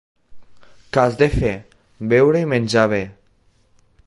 Què has de fer? —Beure i menjar bé.